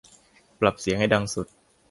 ปรับเสียงให้ดังสุด